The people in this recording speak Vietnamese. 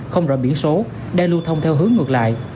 không rõ biển số đang lưu thông theo hướng ngược lại